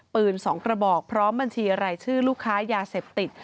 ปืน๒กระบอกพร้อมบัญชีรายชื่อลูกค้ายาเสพติด